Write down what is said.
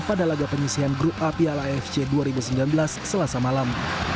pada laga penyusian grup api ala fc dua ribu sembilan belas selasa malam